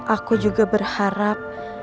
aku juga berharap